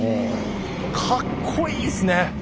かっこいいですね！